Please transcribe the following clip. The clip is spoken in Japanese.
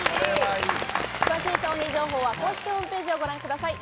詳しい商品情報は公式ホームページをご覧ください。